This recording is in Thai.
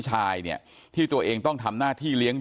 แม้นายเชิงชายผู้ตายบอกกับเราว่าเหตุการณ์ในครั้งนั้น